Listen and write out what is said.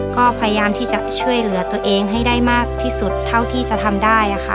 ก็พยายามที่จะช่วยเหลือตัวเองให้ได้มากที่สุดเท่าที่จะทำได้ค่ะ